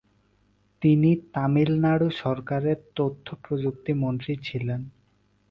তিনি তামিলনাড়ু সরকারের তথ্য প্রযুক্তি মন্ত্রী ছিলেন।